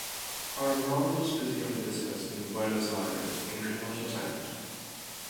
Armand was busy on business in Buenos Aires and could not attend.